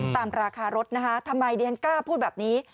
ตามราคารถนะคะทำไมดิฉันกล้าพูดแบบนี้